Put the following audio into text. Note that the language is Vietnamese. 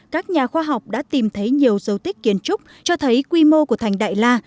các nhà khoa học đã tìm thấy nhiều dấu tích kiến trúc cho thấy quy mô của thành đại la